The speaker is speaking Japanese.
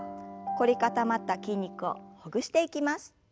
凝り固まった筋肉をほぐしていきます。